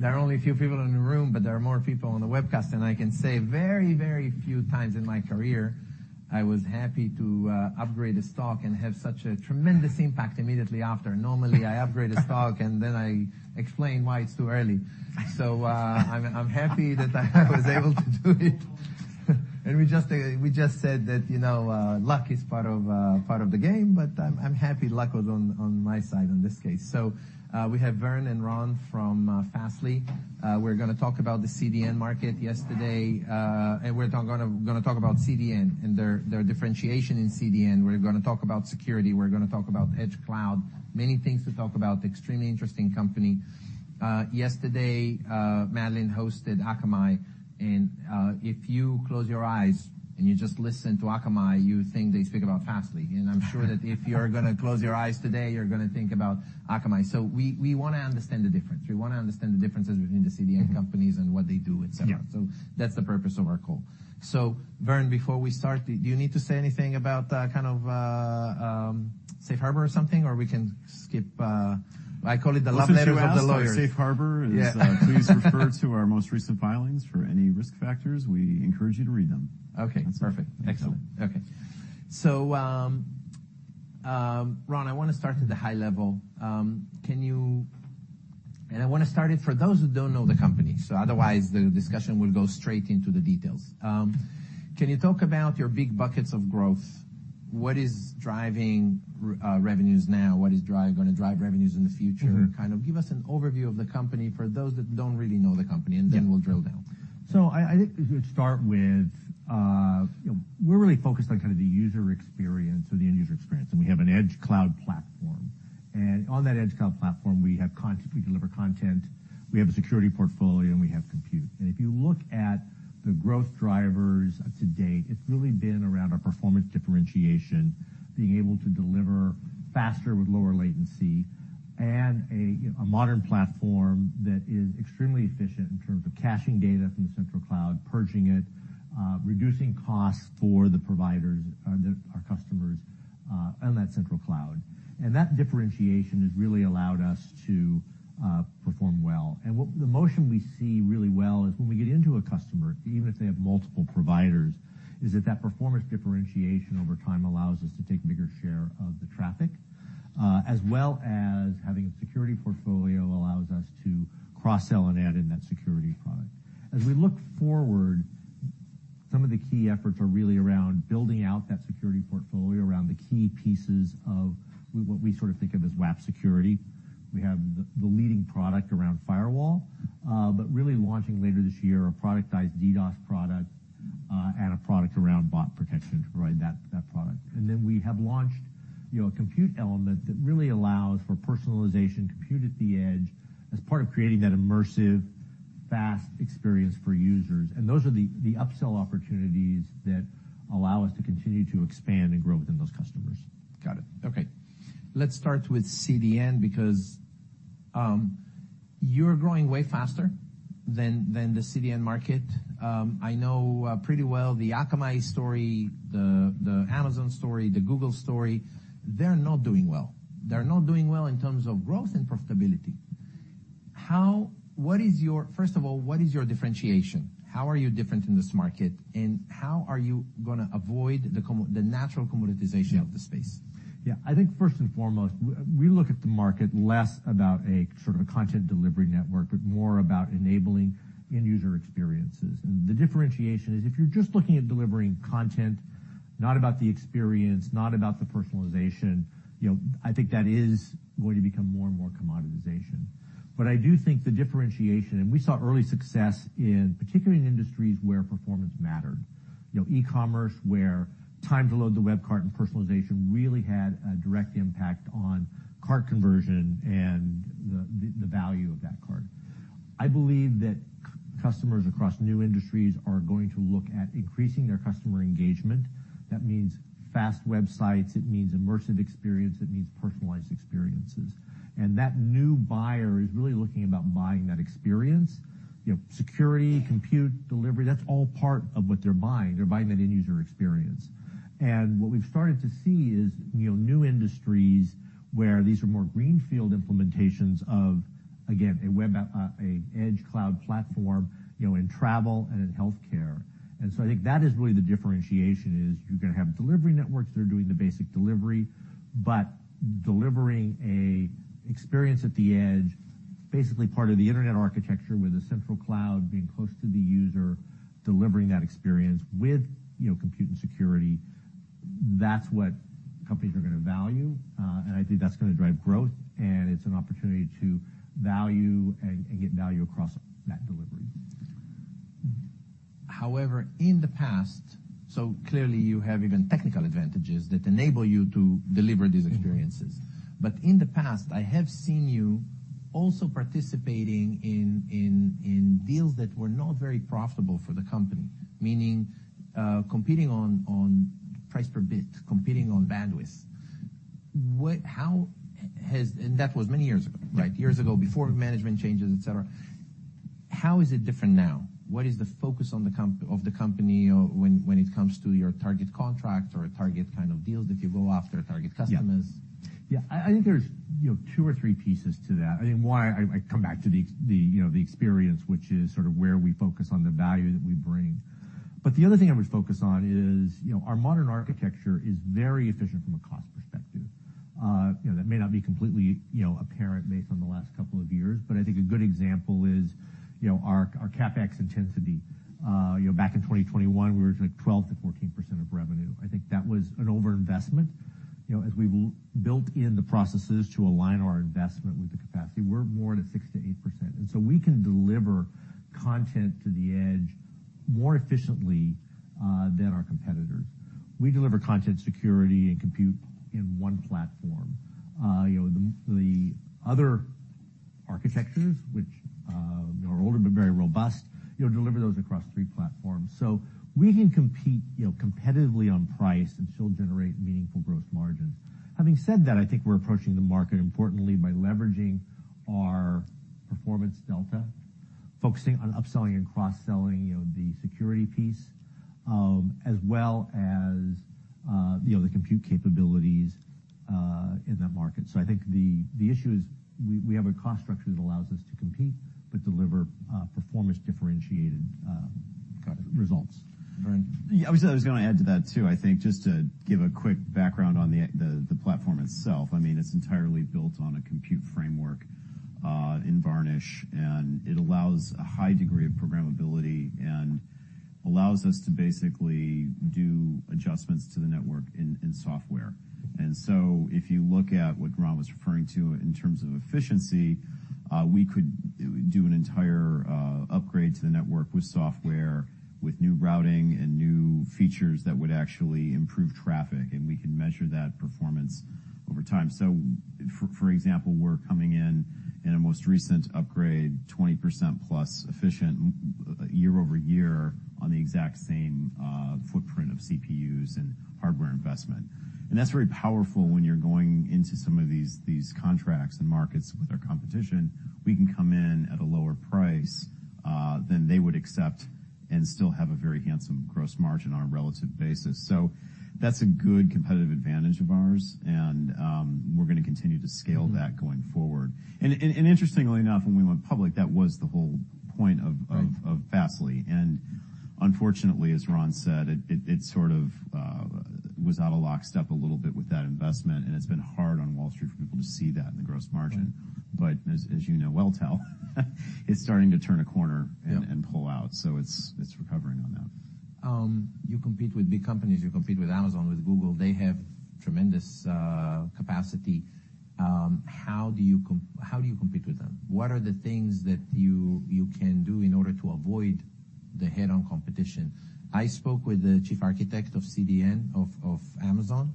There are only a few people in the room, but there are more people on the webcast, and I can say very, very few times in my career I was happy to upgrade a stock and have such a tremendous impact immediately after. Normally, I upgrade a stock and then I explain why it's too early. I'm happy that I was able to do it. We just said that, you know, luck is part of the game, but I'm happy luck was on my side in this case. We have Vern and Ron from Fastly. We're gonna talk about the CDN market. Yesterday. We're gonna talk about CDN and their differentiation in CDN. We're gonna talk about security. We're gonna talk about Edge Cloud. Many things to talk about, extremely interesting company. Yesterday, Madeline hosted Akamai, and, if you close your eyes and you just listen to Akamai, you would think they speak about Fastly. I'm sure that if you're gonna close your eyes today, you're gonna think about Akamai. We wanna understand the difference. We wanna understand the differences between the CDN companies and what they do, et cetera. Yeah. That's the purpose of our call. Vern, before we start, do you need to say anything about kind of safe harbor or something? We can skip, I call it the love letter to the lawyers. Yes, safe harbor- Yeah. Please refer to our most recent filings for any risk factors. We encourage you to read them. Okay, perfect. Excellent. Okay. Ron, I wanna start at the high level. I wanna start it for those who don't know the company, so otherwise, the discussion will go straight into the details. Can you talk about your big buckets of growth? What is driving revenues now? What is gonna drive revenues in the future? Mm-hmm. Kind of give us an overview of the company for those that don't really know the company. Yeah We'll drill down. I think to start with, you know, we're really focused on kind of the user experience or the end user experience, and we have an Edge Cloud platform. On that Edge Cloud platform, we have content, we deliver content, we have a security portfolio, and we have Compute. If you look at the growth drivers to date, it's really been around our performance differentiation, being able to deliver faster with lower latency, and a modern platform that is extremely efficient in terms of caching data from the central cloud, purging it, reducing costs for the providers, our customers, on that central cloud. That differentiation has really allowed us to perform well. What. The motion we see really well is when we get into a customer, even if they have multiple providers, is that that performance differentiation over time allows us to take bigger share of the traffic, as well as having a security portfolio allows us to cross-sell and add in that security product. We look forward, some of the key efforts are really around building out that security portfolio, around the key pieces of what we sort of think of as WAAP security. We have the leading product around firewall, but really launching later this year, a productized DDoS product, and a product around bot protection to provide that product. We have launched, you know, a Compute element that really allows for personalization, Compute at the edge, as part of creating that immersive, fast experience for users. Those are the upsell opportunities that allow us to continue to expand and grow within those customers. Got it. Okay. Let's start with CDN, because, you're growing way faster than the CDN market. I know pretty well the Akamai story, the Amazon story, the Google story, they're not doing well. They're not doing well in terms of growth and profitability. What is your First of all, what is your differentiation? How are you different in this market, and how are you gonna avoid the natural commoditization- Yeah of the space? Yeah. I think first and foremost, we look at the market less about a sort of a content delivery network, but more about enabling end user experiences. The differentiation is, if you're just looking at delivering content, not about the experience, not about the personalization, you know, I think that is going to become more and more commoditization. I do think the differentiation, and we saw early success in, particularly in industries where performance mattered, you know, e-commerce, where time to load the web cart and personalization really had a direct impact on cart conversion and the value of that cart. I believe that customers across new industries are going to look at increasing their customer engagement. That means fast websites, it means immersive experience, it means personalized experiences. That new buyer is really looking about buying that experience. You know, security, Compute, delivery, that's all part of what they're buying. They're buying that end user experience. What we've started to see is, you know, new industries where these are more greenfield implementations of, again, a web app, a Edge Cloud platform, you know, in travel and in healthcare. I think that is really the differentiation, is you're gonna have delivery networks that are doing the basic delivery, but delivering a experience at the edge, basically part of the internet architecture, with a central cloud being close to the user, delivering that experience with, you know, Compute and security. That's what companies are gonna value, and I think that's gonna drive growth, and it's an opportunity to value and get value across that delivery. Clearly, you have even technical advantages that enable you to deliver these experiences. Mm-hmm. In the past, I have seen you also participating in deals that were not very profitable for the company, meaning, competing on price per bit, competing on bandwidth. How has... That was many years ago, right? Yeah. Years ago, before management changes, et cetera. How is it different now? What is the focus on the company, when it comes to your target contract or a target kind of deals that you go after, target customers? Yeah. Yeah, I think there's, you know, two or three pieces to that. I mean, one, I come back to the, you know, the experience, which is sort of where we focus on the value that we bring. The other thing I would focus on is, you know, our modern architecture is very efficient from a cost perspective. You know, that may not be completely, you know, apparent based on the last couple of years, but I think a good example is, you know, our CapEx intensity. You know, back in 2021, we were 12%-14% of revenue. I think that was an overinvestment. You know, as we built in the processes to align our investment with the capacity, we're more at 6%-8%. We can deliver content to the edge more efficiently than our competitors. We deliver content security and Compute in one platform. You know, the other architectures, which are older but very robust, you'll deliver those across three platforms. We can compete, you know, competitively on price and still generate meaningful growth margins. Having said that, I think we're approaching the market, importantly, by leveraging our performance delta, focusing on upselling and cross-selling, you know, the security piece, as well as, you know, the Compute capabilities in that market. I think the issue is we have a cost structure that allows us to compete, but deliver performance differentiated. Got it. Results. Right. Yeah, I was gonna add to that, too. I think just to give a quick background on the platform itself, I mean, it's entirely built on a Compute framework in Varnish, and it allows a high degree of programmability and allows us to basically do adjustments to the network in software. If you look at what Ron was referring to in terms of efficiency, we could do an entire upgrade to the network with software, with new routing and new features that would actually improve traffic, and we can measure that performance over time. For example, we're coming in a most recent upgrade, 20%+ efficient year-over-year on the exact same footprint of CPUs and hardware investment. That's very powerful when you're going into some of these contracts and markets with our competition. We can come in at a lower price than they would accept and still have a very handsome gross margin on a relative basis. That's a good competitive advantage of ours, and we're gonna continue to scale that going forward. Interestingly enough, when we went public, that was the whole point. Right... of Fastly. Unfortunately, as Ron said, it sort of was out of lockstep a little bit with that investment, and it's been hard on Wall Street for people to see that in the gross margin. Right. As you know, Edgio is starting to turn a corner. Yeah... and pull out, so it's recovering on that. You compete with big companies. You compete with Amazon, with Google. They have tremendous capacity. How do you compete with them? What are the things that you can do in order to avoid the head-on competition? I spoke with the chief architect of CDN of Amazon,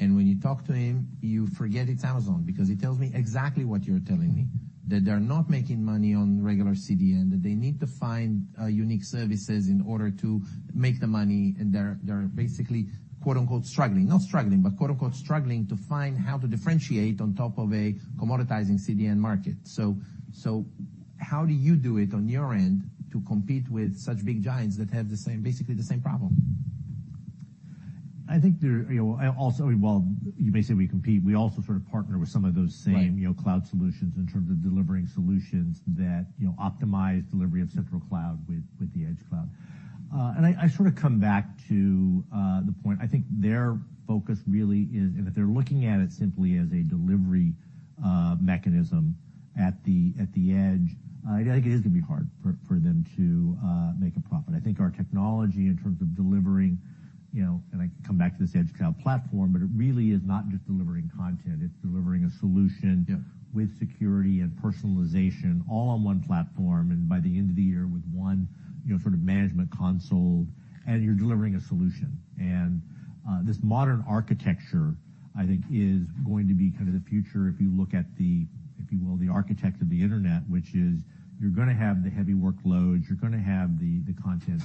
and when you talk to him, you forget it's Amazon, because he tells me exactly what you're telling me, that they're not making money on regular CDN, that they need to find unique services in order to make the money, and they're basically, quote, unquote, "struggling." Not struggling, but quote, unquote, "struggling to find how to differentiate on top of a commoditizing CDN market." How do you do it on your end to compete with such big giants that have the same, basically the same problem? I think there, you know, I also Well, you basically, we compete. We also sort of partner with some of those same. Right... you know, cloud solutions in terms of delivering solutions that, you know, optimize delivery of central cloud with the Edge Cloud. I sort of come back to the point, I think their focus really is, and if they're looking at it simply as a delivery mechanism at the edge, I think it is gonna be hard for them to make a profit. I think our technology in terms of delivering, you know, and I come back to this Edge Cloud platform, but it really is not just delivering content, it's delivering a solution... Yeah with security and personalization, all on 1 platform, and by the end of the year, with 1, you know, sort of management console, and you're delivering a solution. This modern architecture, I think, is going to be kind of the future if you look at the, if you will, the architect of the Internet, which is you're going to have the heavy workloads, you're going to have the content,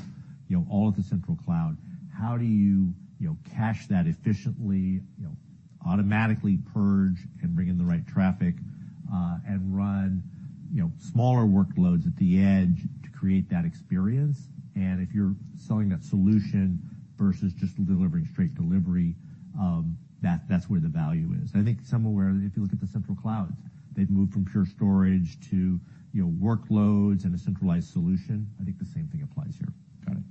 you know, all at the central cloud. How do you know, cache that efficiently, you know, automatically purge and bring in the right traffic, and run, you know, smaller workloads at the edge to create that experience? If you're selling that solution versus just delivering straight delivery, that's where the value is. I think somewhere, if you look at the central clouds, they've moved from pure storage to, you know, workloads and a centralized solution. I think the same thing applies here. Got it.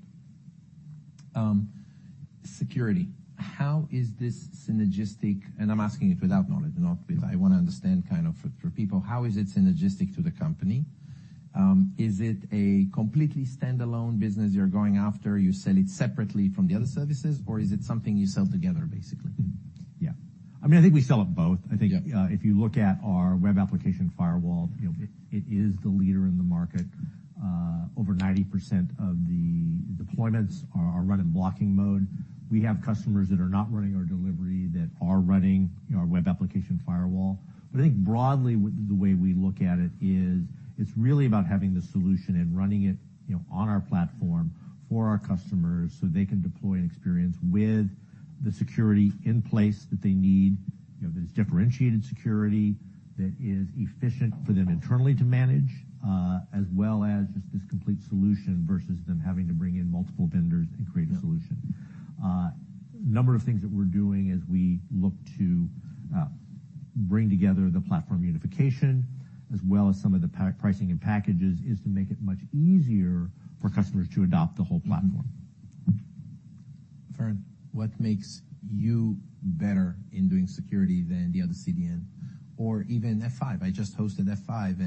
Security. How is this synergistic? I'm asking you for that knowledge, not because- Right. I wanna understand kind of for people, how is it synergistic to the company? Is it a completely standalone business you're going after, you sell it separately from the other services, or is it something you sell together, basically? Yeah. I mean, I think we sell it both. Yeah. I think, if you look at our web application firewall, you know, it is the leader in the market. Over 90% of the deployments are run in blocking mode. We have customers that are not running our delivery, that are running, you know, our web application firewall. I think broadly, with the way we look at it is, it's really about having the solution and running it, you know, on our platform for our customers, so they can deploy an experience with the security in place that they need. You know, that it's differentiated security, that is efficient for them internally to manage, as well as just this complete solution versus them having to bring in multiple vendors and create. Yeah... a solution. A number of things that we're doing as we look to bring together the platform unification, as well as some of the pricing and packages, is to make it much easier for customers to adopt the whole platform. Vern, what makes you better in doing security than the other CDN or even F5? I just hosted F5,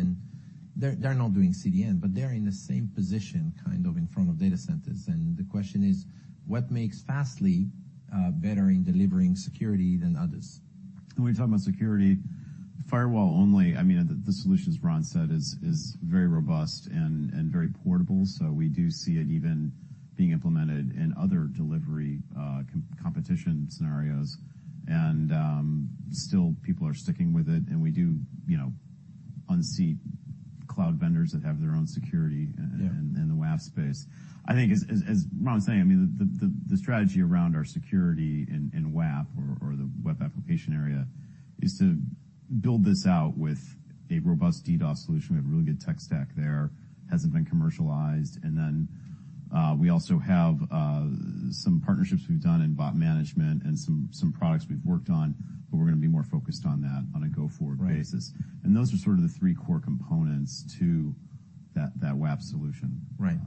they're not doing CDN, but they're in the same position, kind of in front of data centers. The question is, what makes Fastly better in delivering security than others? When we talk about security, firewall only, I mean, the solutions Ron said is very robust and very portable. We do see it even being implemented in other delivery, competition scenarios. Still people are sticking with it, and we do, you know, unseat cloud vendors that have their own security- Yeah in the WAF space. I think as Ron was saying, I mean, the strategy around our security in WAF or the web application area, is to build this out with a robust DDoS solution. We have a really good tech stack there. Hasn't been commercialized. We also have some partnerships we've done in Bot Management and some products we've worked on, but we're gonna be more focused on that on a go-forward basis. Right. Those are sort of the three core components to that WAF solution. Right.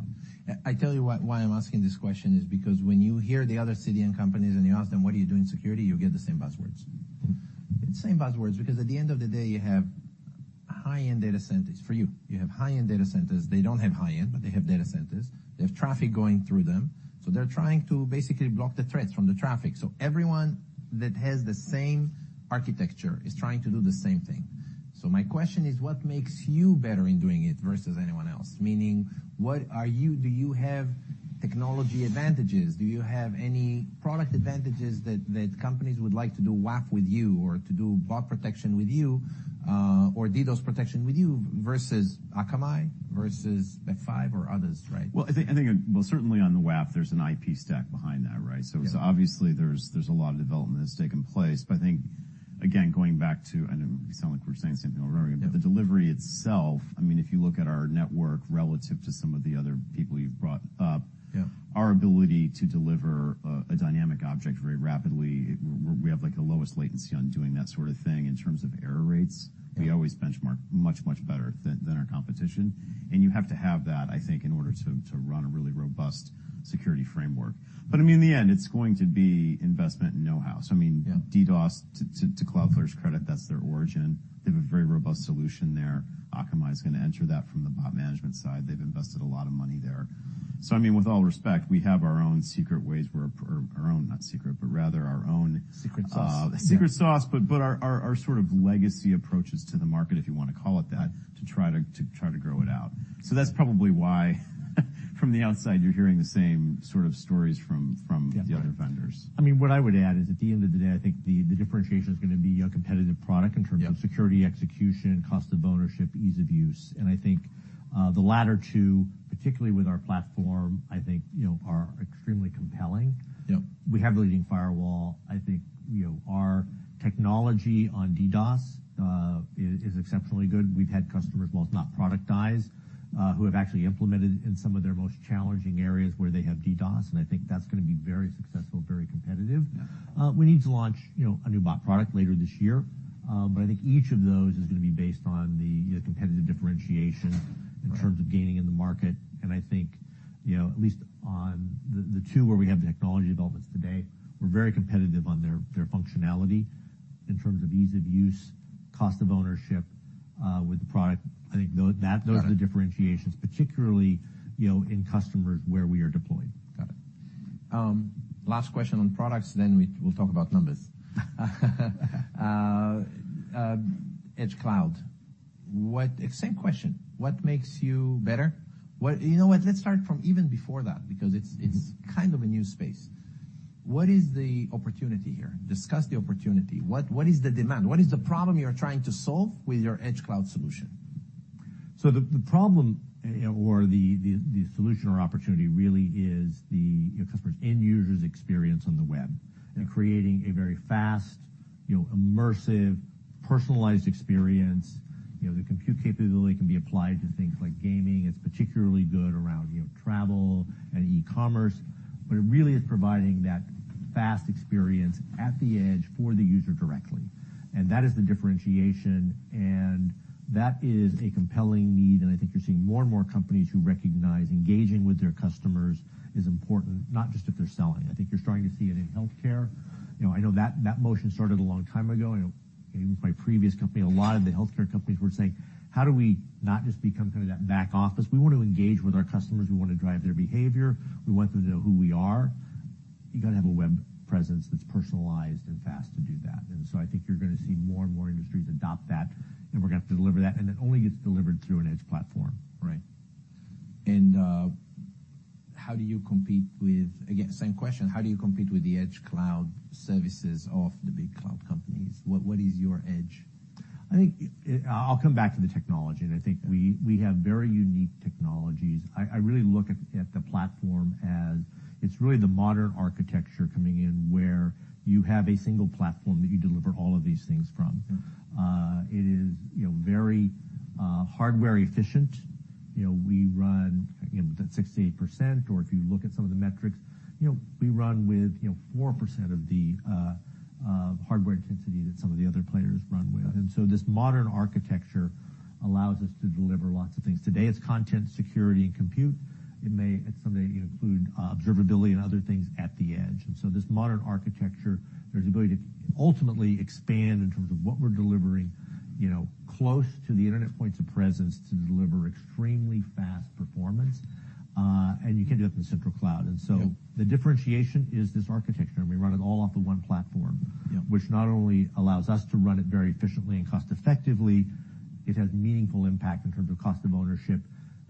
I tell you why I'm asking this question is because when you hear the other CDN companies and you ask them, "What are you doing security?" You'll get the same buzzwords. The same buzzwords, because at the end of the day, you have high-end data centers for you. You have high-end data centers. They don't have high-end, but they have data centers. They have traffic going through them, so they're trying to basically block the threats from the traffic. Everyone that has the same architecture is trying to do the same thing. My question is: what makes you better in doing it versus anyone else? Meaning, do you have technology advantages? Do you have any product advantages that companies would like to do WAF with you, or to do bot protection with you, or DDoS protection with you versus Akamai, versus F5 or others, right? Well, I think, well, certainly on the WAF, there's an IP stack behind that, right? Yeah. Obviously, there's a lot of development that's taken place. I think, again, going back to, I know we sound like we're saying the same thing over again... Yeah The delivery itself, I mean, if you look at our network relative to some of the other people you've brought up. Yeah our ability to deliver a dynamic object very rapidly, we have, like, the lowest latency on doing that sort of thing. In terms of error rates. Yeah we always benchmark much, much better than our competition. You have to have that, I think, in order to run a really robust security framework. I mean, in the end, it's going to be investment and know-how. Yeah. I mean, DDoS, to Cloudflare's credit, that's their origin. They have a very robust solution there. Akamai is gonna enter that from the Bot Management side. They've invested a lot of money there. I mean, with all respect, we have our own secret ways, our own, not secret, but rather our own. Secret sauce. secret sauce. Our sort of legacy approaches to the market, if you want to call it that. Got it. to try to grow it out. That's probably why, from the outside, you're hearing the same sort of stories from... Yeah the other vendors. I mean, what I would add is, at the end of the day, I think the differentiation is gonna be a competitive product. Yeah In terms of security, execution, cost of ownership, ease of use. I think, the latter two, particularly with our platform, I think, you know, are extremely compelling. Yep. We have a leading firewall. I think, you know, our technology on DDoS is exceptionally good. We've had customers, while it's not productized, who have actually implemented it in some of their most challenging areas where they have DDoS, I think that's gonna be very successful, very competitive. Yeah. We need to launch, you know, a new bot product later this year. I think each of those is gonna be based on the, you know, competitive differentiation-. Right in terms of gaining in the market. I think, you know, at least on the two where we have the technology developments today, we're very competitive on their functionality in terms of ease of use, cost of ownership, with the product. Got it.... those are the differentiations, particularly, you know, in customers where we are deploying. Got it. Last question on products, then we'll talk about numbers. Edge Cloud. Same question, what makes you better? You know what? Let's start from even before that. Mm-hmm it's kind of a new space. What is the opportunity here? Discuss the opportunity. What, what is the demand? What is the problem you are trying to solve with your Edge Cloud solution? The problem, or the solution or opportunity, really is the customer's end user's experience on the web. Yeah. Creating a very fast, you know, immersive, personalized experience. You know, the Compute capability can be applied to things like gaming. It's particularly good around, you know, travel and e-commerce, but it really is providing that fast experience at the edge for the user directly. That is the differentiation, and that is a compelling need, and I think you're seeing more and more companies who recognize engaging with their customers is important, not just if they're selling. I think you're starting to see it in healthcare. You know, I know that motion started a long time ago. I know, even my previous company, a lot of the healthcare companies were saying: How do we not just become kind of that back office? We want to engage with our customers. We want to drive their behavior. We want them to know who we are. You've got to have a web presence that's personalized and fast to do that. I think you're gonna see more and more industries adopt that, and we're gonna have to deliver that, and it only gets delivered through an edge platform. Right. how do you compete with... Again, same question: How do you compete with the Edge Cloud services of the big cloud companies? What is your edge? I think, I'll come back to the technology, and I think. Yeah... we have very unique technologies. I really look at the platform as it's really the modern architecture coming in, where you have a single platform that you deliver all of these things from. Yeah. It is, you know, very hardware efficient. You know, we run, again, with that 68%, or if you look at some of the metrics, you know, we run with, you know, 4% of the hardware intensity that some of the other players run with. This modern architecture allows us to deliver lots of things. Today, it's content, security, and Compute. It may at some include observability and other things at the edge. This modern architecture, there's the ability to ultimately expand in terms of what we're delivering, you know, close to the internet points of presence to deliver extremely fast performance, and you can't do that in the central cloud. Yeah. The differentiation is this architecture, and we run it all off of one platform. Yeah. Which not only allows us to run it very efficiently and cost effectively, it has meaningful impact in terms of cost of ownership,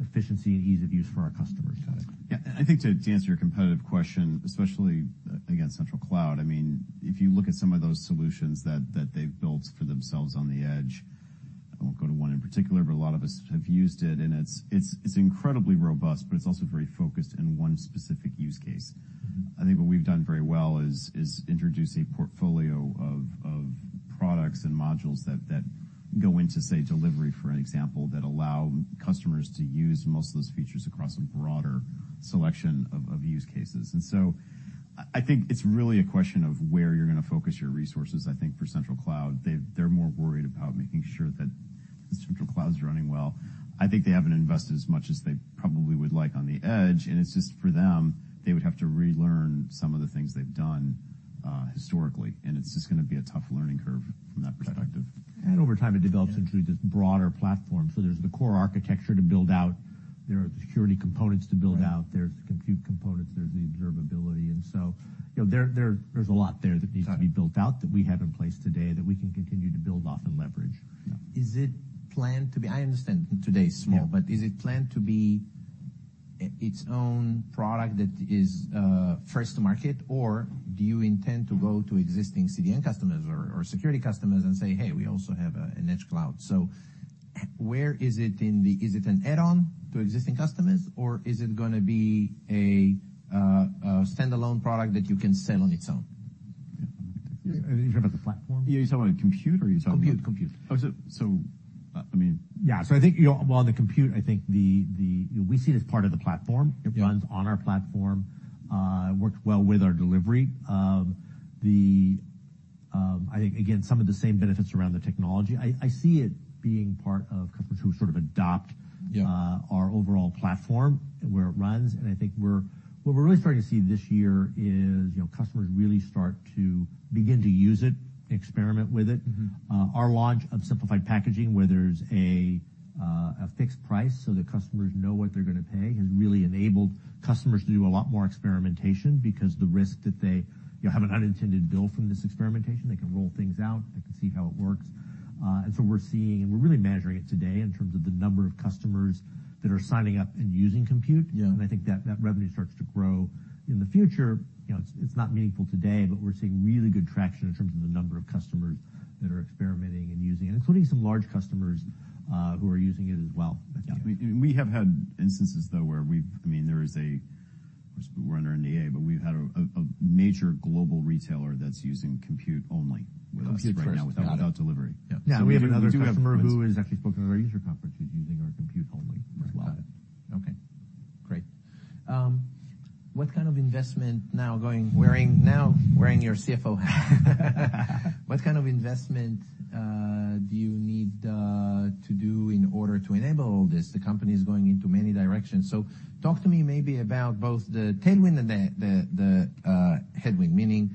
efficiency, and ease of use for our customers. Got it. Yeah, I think to answer your competitive question, especially against central cloud, I mean, if you look at some of those solutions that they've built for themselves on the edge, I won't go to one in particular, but a lot of us have used it, and it's incredibly robust, but it's also very focused in one specific use case. Mm-hmm. I think what we've done very well is introduce a portfolio of products and modules that go into, say, delivery, for an example, that allow customers to use most of those features across a broader selection of use cases. I think it's really a question of where you're gonna focus your resources. I think for central cloud, they're more worried about making sure that the central cloud's running well. I think they haven't invested as much as they probably would like on the edge, and it's just for them, they would have to relearn some of the things they've done historically, and it's just gonna be a tough learning curve from that perspective. Got it. Over time, it develops into this broader platform. There's the core architecture to build out, there are the security components to build out- Right. There's the Compute components, there's the observability. You know, there's a lot there. Got it. that needs to be built out, that we have in place today, that we can continue to build off and leverage. Yeah. Is it planned to be. I understand today is small. Yeah. Is it planned to be its own product that is first to market? Do you intend to go to existing CDN customers or security customers and say, "Hey, we also have an Edge Cloud?" Where is it, is it an add-on to existing customers, or is it gonna be a standalone product that you can sell on its own? Yeah. Are you talking about the platform? Yeah. You're selling Compute, or are you selling the-? Compute. Oh, so, so, uh, I mean- Yeah. I think, you know, well, on the Compute, I think the we see it as part of the platform. Yeah. It runs on our platform, it works well with our delivery. I think, again, some of the same benefits around the technology. I see it being part of customers who sort of adopt. Yeah our overall platform, where it runs. I think what we're really starting to see this year is, you know, customers really start to begin to use it, experiment with it. Mm-hmm. Our launch of simplified packaging, where there's a fixed price, so the customers know what they're gonna pay, has really enabled customers to do a lot more experimentation. The risk that you have an unintended bill from this experimentation, they can roll things out, they can see how it works. We're seeing, and we're really measuring it today in terms of the number of customers that are signing up and using Compute. Yeah. I think that revenue starts to grow in the future. You know, it's not meaningful today, but we're seeing really good traction in terms of the number of customers that are experimenting and using, including some large customers, who are using it as well. Yeah. Yeah. We have had instances, though, where we've I mean, there is a, of course, we're under NDA, but we've had a major global retailer that's using Compute only with us right now. Compute first. without delivery. Yeah. Yeah. We have another customer who has actually spoken at our user conference, who's using our Compute only as well. Got it. Okay, great. what kind of investment now wearing your CFO hat, what kind of investment do you need to do in order to enable all this? The company is going into many directions. Talk to me maybe about both the tailwind and the headwind. Meaning,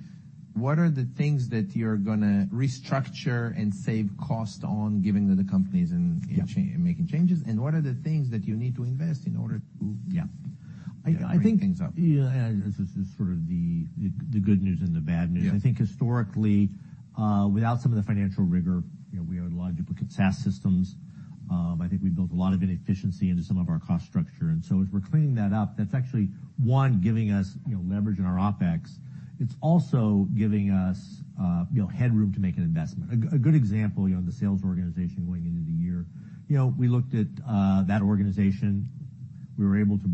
what are the things that you're gonna restructure and save cost on, given that the company's in- Yeah... in making changes, and what are the things that you need to invest in order... Yeah. Yeah. I think. Bring things up. Yeah, This is just sort of the, the good news and the bad news. Yeah. I think historically, without some of the financial rigor, you know, we had a lot of duplicate SaaS systems. I think we built a lot of inefficiency into some of our cost structure. As we're cleaning that up, that's actually, one, giving us, you know, leverage in our OpEx. It's also giving us, you know, headroom to make an investment. A good example, you know, in the sales organization going into the year, you know, we looked at that organization. We were able to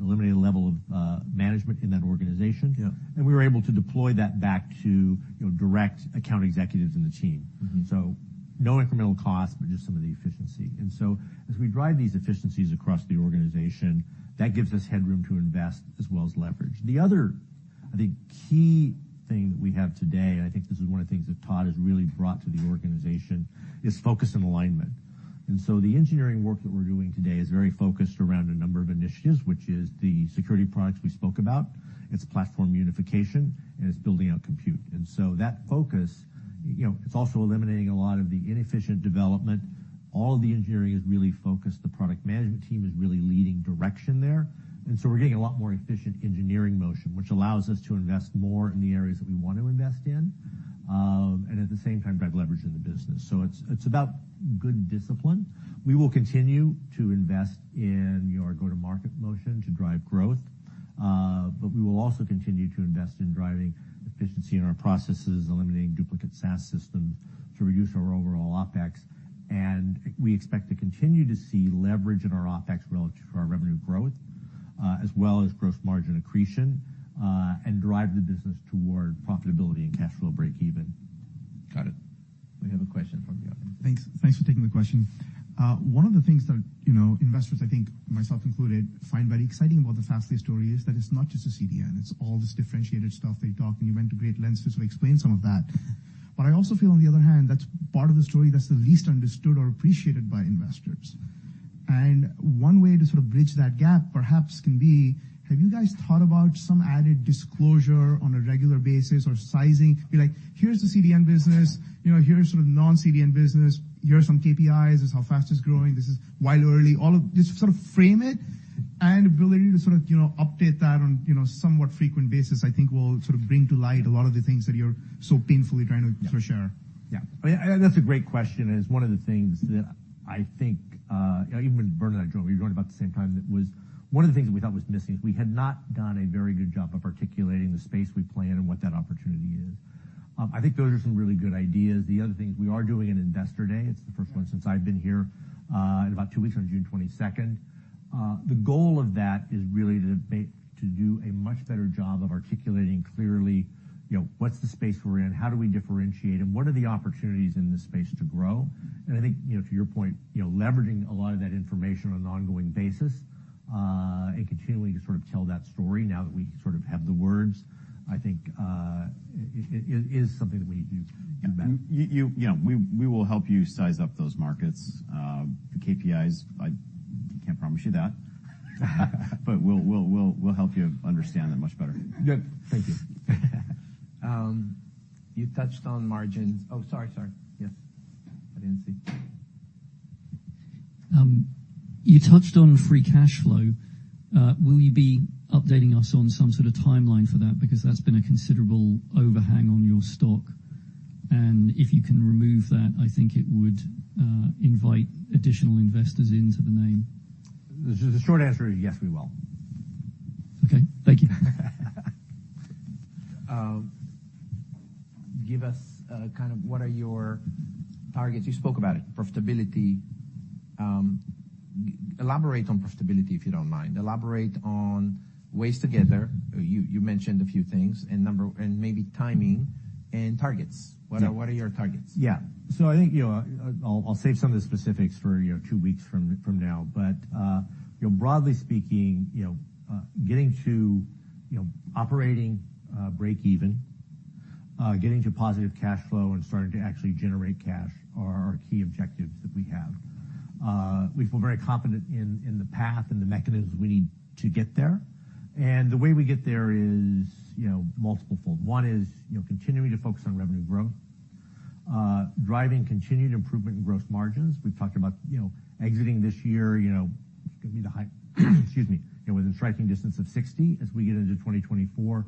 eliminate a level of management in that organization. Yeah. We were able to deploy that back to, you know, direct account executives in the team. Mm-hmm. No incremental cost, but just some of the efficiency. As we drive these efficiencies across the organization, that gives us headroom to invest as well as leverage. The other, I think, key thing that we have today, and I think this is one of the things that Todd has really brought to the organization, is focus and alignment. The engineering work that we're doing today is very focused around a number of initiatives, which is the security products we spoke about, it's platform unification, and it's building out Compute. That focus, you know, it's also eliminating a lot of the inefficient development. All of the engineering is really focused. The product management team is really leading direction there. We're getting a lot more efficient engineering motion, which allows us to invest more in the areas that we want to invest in, and at the same time, drive leverage in the business. It's about good discipline. We will continue to invest in your go-to-market motion to drive growth. But we will also continue to invest in driving efficiency in our processes, eliminating duplicate SaaS systems to reduce our overall OpEx. We expect to continue to see leverage in our OpEx relative to our revenue growth, as well as gross margin accretion, and drive the business toward profitability and cash flow breakeven. Got it. We have a question from the audience. Thanks for taking the question. One of the things that, you know, investors, I think, myself included, find very exciting about the Fastly story is that it's not just a CDN, it's all this differentiated stuff that you talk, and you went to great lengths to sort of explain some of that. I also feel, on the other hand, that's part of the story that's the least understood or appreciated by investors. One way to sort of bridge that gap, perhaps, can be, have you guys thought about some added disclosure on a regular basis or sizing? Be like, "Here's the CDN business, you know, here's sort of non-CDN business. Here are some KPIs. This is how fast it's growing? This is why early." Just sort of frame it, and ability to sort of, you know, update that on, you know, somewhat frequent basis, I think will sort of bring to light a lot of the things that you're so painfully trying to share. Yeah. I think that's a great question. It's one of the things that I think, even when Vernon and I joined, we joined about the same time, it was one of the things we thought was missing, is we had not done a very good job of articulating the space we play in and what that opportunity is. I think those are some really good ideas. The other thing is we are doing an Investor Day. It's the first one since I've been here, in about two weeks, on June 22nd. The goal of that is really to do a much better job of articulating clearly, you know, what's the space we're in, how do we differentiate, and what are the opportunities in this space to grow? I think, you know, to your point, you know, leveraging a lot of that information on an ongoing basis, and continually to sort of tell that story now that we sort of have the words, I think, it is something that we can do better. Yeah, we will help you size up those markets. The KPIs, I can't promise you that, but we'll help you understand that much better. Good. Thank you. You touched on margin. Oh, sorry, yes. I didn't see. You touched on free cash flow. Will you be updating us on some sort of timeline for that? That's been a considerable overhang on your stock, and if you can remove that, I think it would invite additional investors into the name. The short answer is, yes, we will. Okay, thank you. Give us, kind of what are your targets? You spoke about it, profitability. Elaborate on profitability, if you don't mind. Elaborate on ways to get there, you mentioned a few things, and number, and maybe timing and targets. Yeah. What are your targets? Yeah. I think, you know, I'll save some of the specifics for, you know, 2 weeks from now. Broadly speaking, you know, getting to, you know, operating breakeven, getting to positive cash flow and starting to actually generate cash are our key objectives that we have. We feel very confident in the path and the mechanisms we need to get there, and the way we get there is, you know, multiple fold. One is, you know, continuing to focus on revenue growth, driving continued improvement in gross margins. We've talked about, you know, exiting this year, you know, excuse me, within striking distance of 60. As we get into 2024,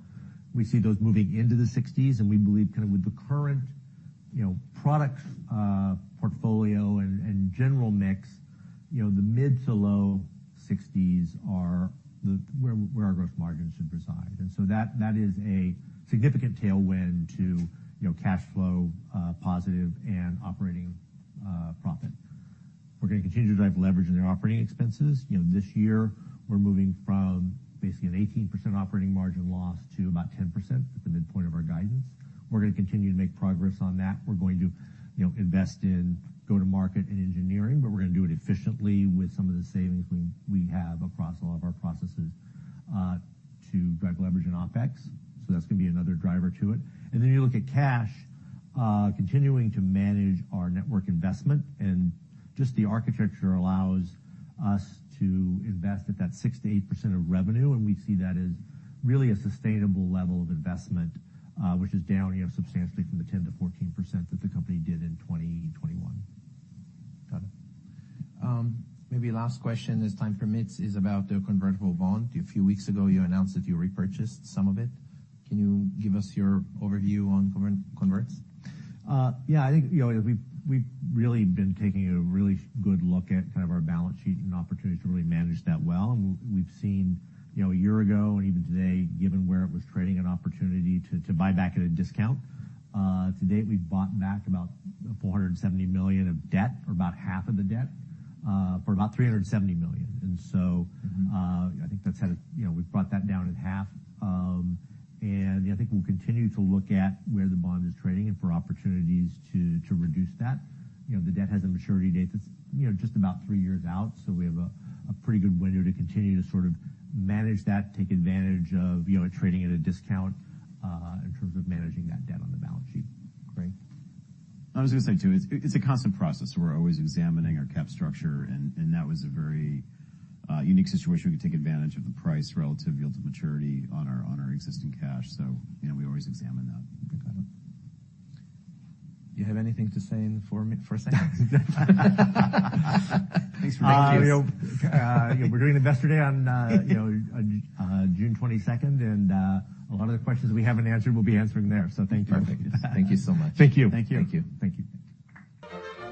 we see those moving into the 60s. We believe kind of with the current, you know, product portfolio and general mix, you know, the mid-to-low 60s are where our growth margins should reside. That is a significant tailwind to, you know, cash flow positive and operating profit. We're gonna continue to drive leverage in our operating expenses. You know, this year we're moving from basically an 18% operating margin loss to about 10%, the midpoint of our guidance. We're gonna continue to make progress on that. We're going to, you know, invest in go-to-market and engineering. We're gonna do it efficiently with some of the savings we have across all of our processes to drive leverage and OpEx. That's gonna be another driver to it. You look at cash, continuing to manage our network investment, and just the architecture allows us to invest at that 6%-8% of revenue, and we see that as really a sustainable level of investment, which is down substantially from the 10%-14% that the company did in 2021. Got it. Maybe last question, as time permits, is about the convertible bond. A few weeks ago, you announced that you repurchased some of it. Can you give us your overview on converts? Yeah, I think, you know, we've really been taking a really good look at kind of our balance sheet and opportunity to really manage that well. We've seen, you know, a year ago and even today, given where it was trading, an opportunity to buy back at a discount. To date, we've bought back about $470 million of debt, or about half of the debt, for about $370 million. You know, we've brought that down at half. I think we'll continue to look at where the bond is trading and for opportunities to reduce that. You know, the debt has a maturity date that's, you know, just about 3 years out, so we have a pretty good window to continue to sort of manage that, take advantage of, you know, trading at a discount, in terms of managing that debt on the balance sheet. Great. I was gonna say, too, it's a constant process. We're always examining our cap structure, and that was a very unique situation. We could take advantage of the price relative yield to maturity on our existing cash. You know, we always examine that. You have anything to say in for me, for a second? Thanks. We're doing Investor Day on, you know, June 22nd, a lot of the questions we haven't answered, we'll be answering there. Thank you. Perfect. Thank you so much. Thank you. Thank you. Thank you. Thank you.